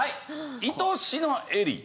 『いとしのエリー』。